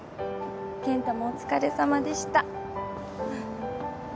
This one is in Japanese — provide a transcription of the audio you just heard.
健太もお疲れさまでした。